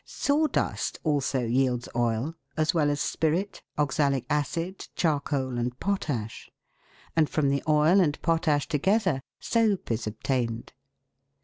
Sawdust also yields oil, as well as spirit, oxalic acid, charcoal, and potash ; and from the oil and potash together, soap is obtained.